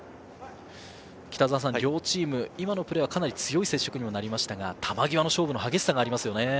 両チーム、今のプレーはかなり強い接触にもなりましたが、球際の勝負の激しさがありますね。